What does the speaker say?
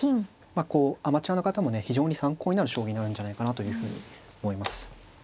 まあこうアマチュアの方もね非常に参考になる将棋になるんじゃないかなというふうに思います。